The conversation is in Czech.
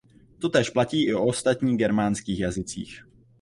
Totéž platí i o ostatních germánských jazycích.